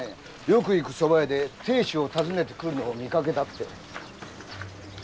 よく行くそば屋で亭主を訪ねてくるのを見かけたって。